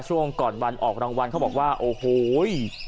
ช่วงก่อนวันออกรางวัลเขาบอกว่าโอ้โห